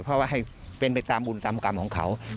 เพราะว่าให้เป็นไปตามบุญตามกรรมของเขา